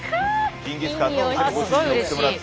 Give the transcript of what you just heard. ジンギスカンのお店のご主人に送ってもらって。